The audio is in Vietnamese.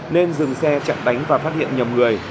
nên dừng xe chặn đánh và phát hiện nhầm người